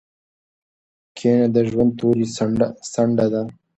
کینه د ژوند توري څنډه ده.